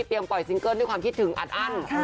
ปล่อยซิงเกิ้ลด้วยความคิดถึงอัดอั้น